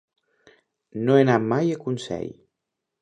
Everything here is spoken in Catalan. No he anat mai a Consell.